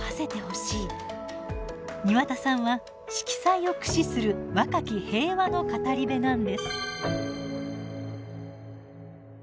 庭田さんは色彩を駆使する若き平和の語り部なんです。